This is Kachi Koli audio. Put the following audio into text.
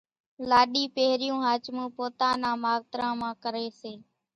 لاڏي پھريون ۿاچمون پوتا نان ماوتران مان ڪري سي۔